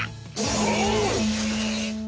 おう！